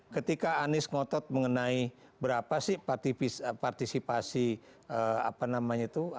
ketika anies ngotot mengenai berapa sih partisipasi apa namanya itu